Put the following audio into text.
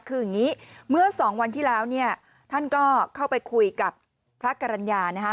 คืออย่างนี้เมื่อสองวันที่แล้วเนี่ยท่านก็เข้าไปคุยกับพระกรรณญานะคะ